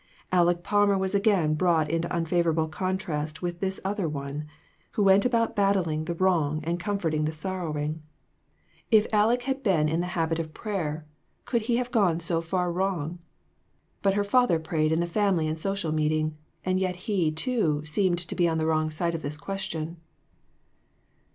Aleck Palmer was again brought into unfavorable contrast with this other one, who went about battling the wrong and comfort ing the sorrowing. If Aleck had been in the A MODERN MARTYR. 375 habit of prayer, could he have got so far wrong ? But her father prayed in the family and social meeting, and yet he, too, seemed to be on the wrong side of this question.